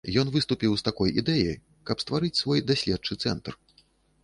Ён выступіў з такой ідэяй, каб стварыць свой даследчы цэнтр.